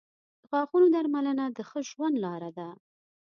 • د غاښونو درملنه د ښه ژوند لار ده.